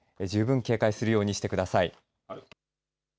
十分警戒するようにしてください。